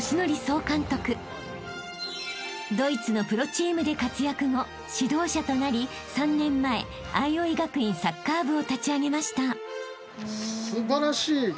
［ドイツのプロチームで活躍後指導者となり３年前相生学院サッカー部を立ち上げました］